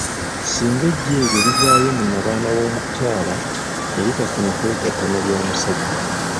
Singa eggi eryo livaayo mu nnabaana w'omukyala ne litafuna kwegatta na lya musajja.